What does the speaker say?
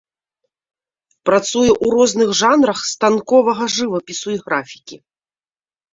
Працуе ў розных жанрах станковага жывапісу і графікі.